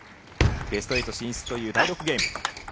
ベスト８進出という第６ゲーム。